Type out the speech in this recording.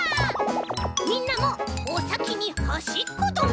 みんなも「お先にはしっこどめ！」